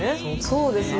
そうですね。